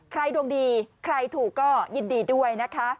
ดวงดีใครถูกก็ยินดีด้วยนะคะ